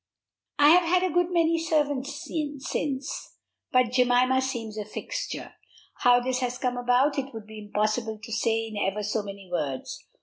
I have had a good many servants since, but Jemima seems a fixture. How this has come about, it would be impossible to say in ever so many words.